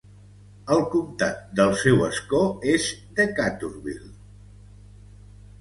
El comtat del seu escó és Decaturville.